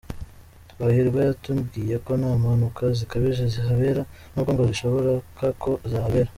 Twahirwa yatubwiye ko nta mpanuka zikabije zihabera n’ubwo ngo bishoboka ko zahabera.